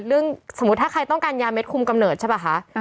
สมมุติถ้าใครต้องการยาเด็ดคุมกำเนิดใช่ป่ะคะ